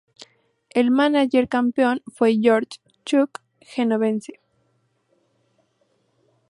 El mánager campeón fue George "Chuck" Genovese.